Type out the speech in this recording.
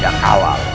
jangan kawal pak ramah